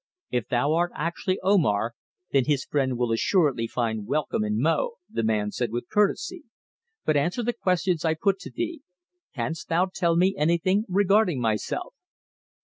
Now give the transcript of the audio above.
"If thou art actually Omar then his friend will assuredly find welcome in Mo," the man said with courtesy. "But answer the questions I put to thee. Canst thou tell me anything regarding myself?"